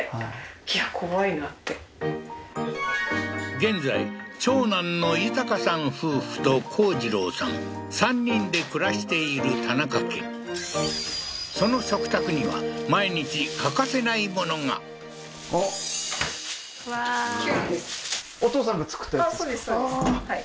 現在長男の豊さん夫婦と幸次郎さん３人で暮らしている田中家その食卓には毎日欠かせない物があっきゅうりです